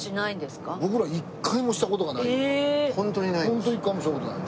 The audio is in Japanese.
ホント一回もした事ない。